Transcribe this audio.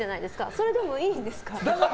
それでもいいんですか？